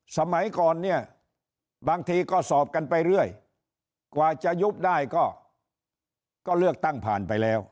สมัยก่อนเนี่ยบางทีก็สอบกันไปเรื่อยกว่าจะยุบได้ก็เลือกตั้งผ่านไปแล้ว